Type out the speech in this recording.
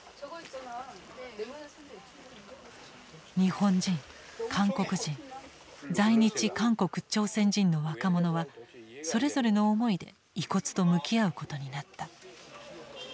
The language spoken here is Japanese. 日本人韓国人在日韓国・朝鮮人の若者はそれぞれの思いで遺骨と向き合うことになった。